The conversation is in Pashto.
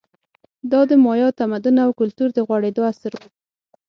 دا د مایا تمدن او کلتور د غوړېدو عصر و